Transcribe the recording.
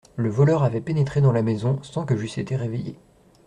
Le voleur avait pénétré dans la maison sans que j’eusse été réveillé.